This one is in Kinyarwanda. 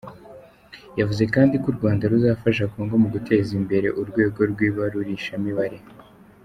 Yavuze kandi ko u Rwanda ruzafasha Congo mu guteza imbere urwego rw’ibarurishamibare.